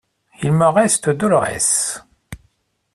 Il me reste Dolorès.